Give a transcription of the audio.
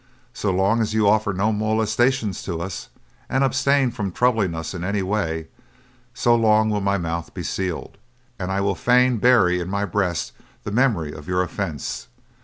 So long as you offer no molestation to us, and abstain from troubling us in any way, so long will my mouth be sealed; and I would fain bury in my breast the memory of your offence.